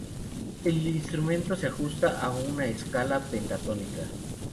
El instrumento se ajusta a una escala pentatónica.